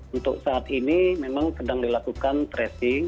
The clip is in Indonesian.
untuk saat ini memang sedang dilakukan tracing